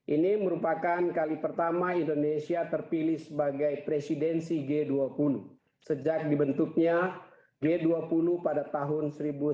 ini merupakan kali pertama indonesia terpilih sebagai presidensi g dua puluh sejak dibentuknya g dua puluh pada tahun seribu sembilan ratus sembilan puluh